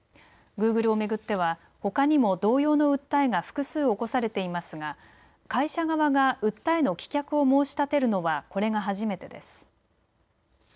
グーグルを巡ってはほかにも同様の訴えが複数起こされていますが会社側が訴えの棄却を申し立てるのはこれが初めてです。